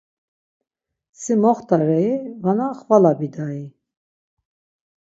Si moxtare-i vana xvala bidai?